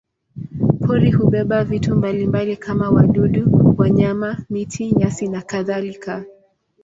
Pori hubeba vitu mbalimbali kama wadudu, wanyama, miti, nyasi nakadhalika.